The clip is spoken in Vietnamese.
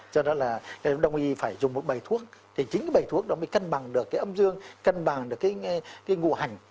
cho nên là đồng ý phải dùng một bài thuốc thì chính cái bài thuốc đó mới cân bằng được cái âm dương cân bằng được cái ngụ hành